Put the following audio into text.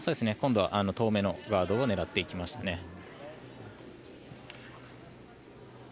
今度は遠めのガードを狙っていきましたね。